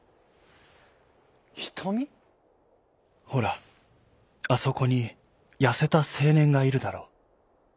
「ほらあそこにやせたせいねんがいるだろう。